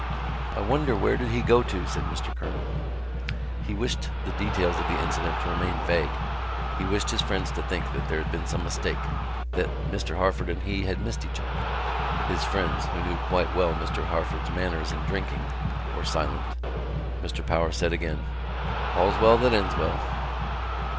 "I wonder where did he go to," said Mr Kernan. He wished the details of the incident to remain vague. He wished his friends to think there had been some mistake, that Mr Harford and he had missed each other. His friends, who knew quite well Mr Harford's manners in drinking, were silent. Mr Power said again: "All's well that ends well."